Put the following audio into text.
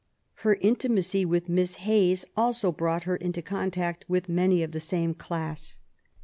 Her intimacy with Miss Hayes also brought her into contact with many of the same class.